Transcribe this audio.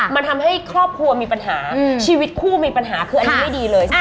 มันทำให้ครอบครัวมีปัญหาชีวิตคู่มีปัญหาคืออันนี้ไม่ดีเลย